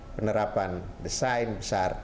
penerapan desain besar